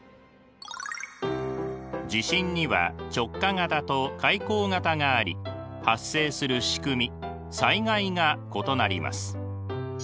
地震には直下型と海溝型があり発生するしくみ災害が異なります。